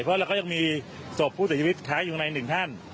เพราะเราก็ยังมีศบผู้เจ้าธีวิตค้างอยู่ในหนึ่งหน้าน